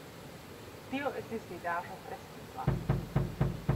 Tio estis vidaĵo tre simpla.